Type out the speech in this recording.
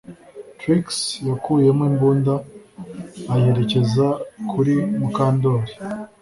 Trix yakuyemo imbunda ayerekeza kuri Mukandoli